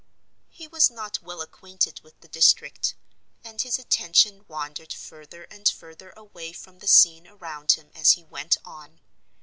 He was not well acquainted with the district; and his attention wandered further and further away from the scene around him as he went on.